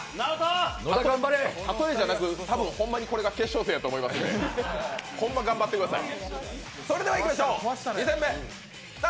例えじゃなく、ホンマにこれが決勝戦だと思いますのでホンマに頑張ってください。